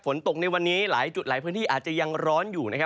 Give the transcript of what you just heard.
ฝนตกในวันนี้หลายจุดหลายพื้นที่อาจจะยังร้อนอยู่นะครับ